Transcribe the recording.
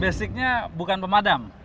basicnya bukan pemadam